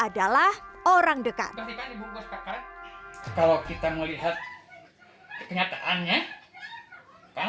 adalah orang dekat